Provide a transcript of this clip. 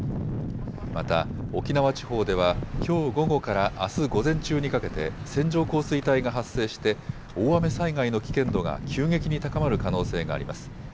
また沖縄地方ではきょう午後からあす午前中にかけて線状降水帯が発生して大雨災害の危険度が急激に高まる可能性があります。